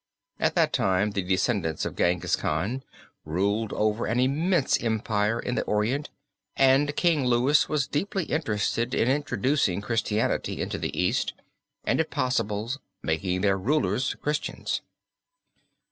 At that time the descendants of Jenghis Khan ruled over an immense Empire in the Orient and King Louis was deeply interested in introducing Christianity into the East and if possible making their rulers Christians.